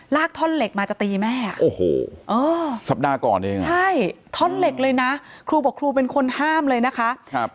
กท่อนเหล็กมาจะตีแม่โอ้โหสัปดาห์ก่อนเองใช่ท่อนเหล็กเลยนะครูบอกครูเป็นคนห้ามเลยนะคะ